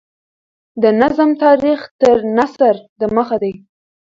د نظم تاریخ تر نثر دمخه دﺉ.